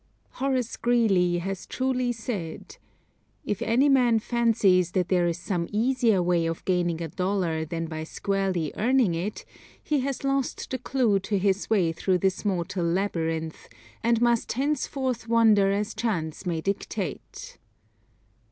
Horace Greeley has truly said: "If any man fancies that there is some easier way of gaining a dollar than by squarely earning it he has lost the clew to his way through this mortal labyrinth, and must henceforth wander as chance may dictate."